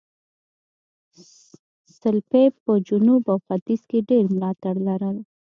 سلپيپ په جنوب او ختیځ کې ډېر ملاتړي لرل.